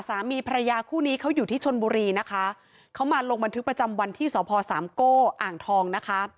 สามีภรรยาคู่นี้เขาอยู่ที่ชนบุรีนะคะเขามาลงบันทึกประจำวันที่สพสามโก้อ่างทองนะคะ